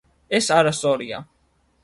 ეს არასწორია.